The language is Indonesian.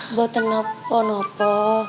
mbak aku gak usah